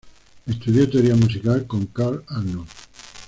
Estudió teoría musical con Carl Arnold.